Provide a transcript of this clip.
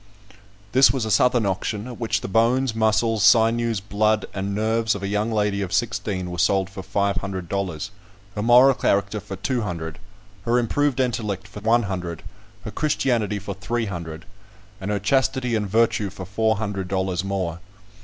This was a Southern auction, at which the bones, muscles, sinews, blood, and nerves of a young lady of sixteen were sold for five hundred dollars; her moral character for two hundred; her improved intellect for one hundred; her Christianity for three hundred; and her chastity and virtue for four hundred dollars more.